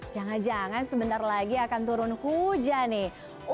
jangan jangan sebentar lagi akan turun hujan nih